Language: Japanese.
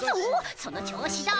その調子だ。